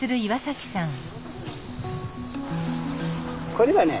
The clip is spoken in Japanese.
これはね